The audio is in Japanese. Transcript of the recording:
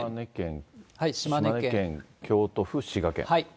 島根県、京都府、滋賀県。